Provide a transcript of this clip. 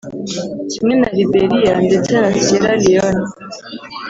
kimwe na Liberia ndetse na Sierra Leone